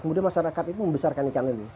kemudian masyarakat itu membesarkan ikan ini